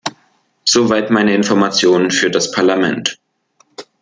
So weit meine Informationen für das Parlament.